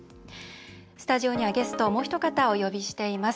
スタジオには、ゲストもうひと方お呼びしています。